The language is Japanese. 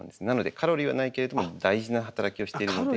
なのでカロリーはないけれども大事な働きをしている。